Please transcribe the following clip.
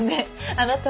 あなた。